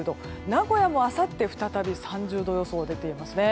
名古屋もあさって再び３０度予想が出ていますね。